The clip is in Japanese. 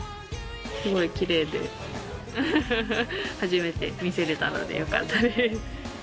きれいで、初めて見せれたので、よかったです。